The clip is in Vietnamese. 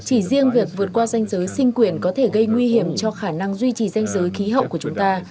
chỉ riêng việc vượt qua danh giới sinh quyền có thể gây nguy hiểm cho khả năng duy trì danh giới khí hậu của chúng ta